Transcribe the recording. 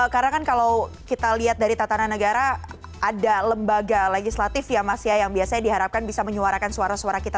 karena kan kalau kita lihat dari tatanan negara ada lembaga legislatif ya mas ya yang biasanya diharapkan bisa menyuarakan suara suara kita